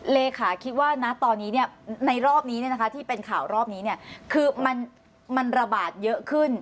เลขาคิดว่านะตอนนี้เนี่ยในรอบนี้เนี่ยนะคะที่เป็นข่าวรอบนี้เนี่ยคือมันระบาดเยอะขึ้น